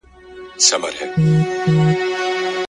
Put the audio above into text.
ستا په سترگو کي سندري پيدا کيږي.